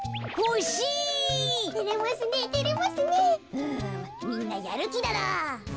うむみんなやるきだな。